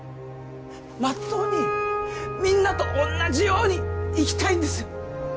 まっとうにみんなとおんなじように生きたいんですよ。